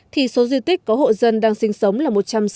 thì số di tích có hộ dân đang sinh sống là một trăm sáu mươi